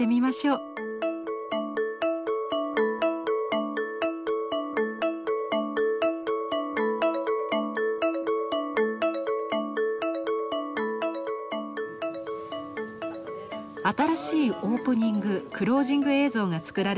新しいオープニングクロージング映像が作られるのは１２年ぶりです。